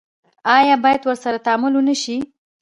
آیا باید ورسره تعامل ونشي؟